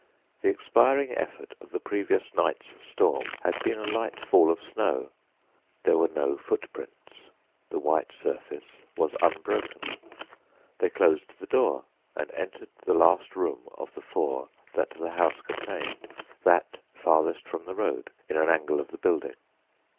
The expiring effort of the previous night's storm had been a light fall of snow; there were no footprints; the white surface was unbroken. They closed the door and entered the last room of the four that the house contained—that farthest from the road, in an angle of the building.